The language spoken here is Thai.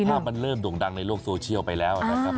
ภาพมันเริ่มโด่งดังในโลกโซเชียลไปแล้วนะครับ